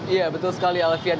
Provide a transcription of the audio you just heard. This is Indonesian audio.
iya betul sekali alvian